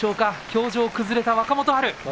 表情が崩れた若元春。